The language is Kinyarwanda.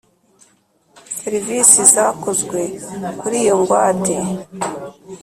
Serivisi zakozwe kuri iyo ngwate